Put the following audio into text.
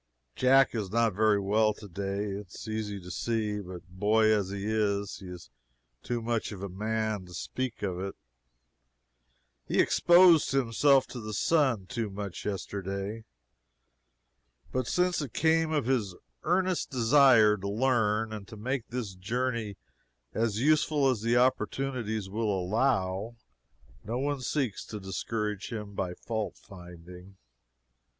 Jack is not very well to day, it is easy to see; but boy as he is, he is too much of a man to speak of it. He exposed himself to the sun too much yesterday, but since it came of his earnest desire to learn, and to make this journey as useful as the opportunities will allow, no one seeks to discourage him by fault finding.